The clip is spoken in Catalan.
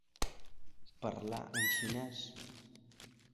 Parlar en xinès.